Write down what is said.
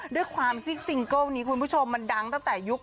โดยความซิงเกิ้ลนี้คุณผู้ชมมันดังจากตั้งให้ยุค